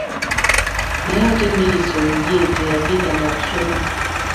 Naye ate Nelisoni ye teyagendanga kusoma.